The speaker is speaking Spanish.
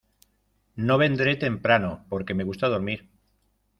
No vendré temprano porque me gusta dormir.